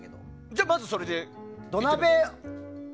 じゃあ、まずそれで。